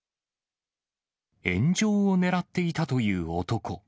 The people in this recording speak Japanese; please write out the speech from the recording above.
炎上をねらっていたという男。